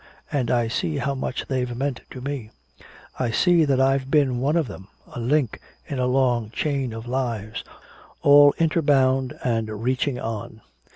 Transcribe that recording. And I see how much they've meant to me. I see that I've been one of them a link in a long chain of lives all inter bound and reaching on.